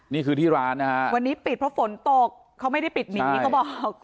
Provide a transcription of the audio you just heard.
นี่คือที่ร้านนะฮะวันนี้ปิดเพราะฝนตกเขาไม่ได้ปิดหนีเขาบอก